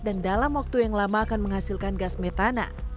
dan dalam waktu yang lama akan menghasilkan gas metana